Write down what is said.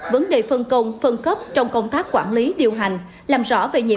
vấn đề phân công phân cấp trong công tác quản lý điều hành